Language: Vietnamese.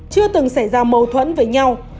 chưa từng xảy ra mâu thuẫn với nhau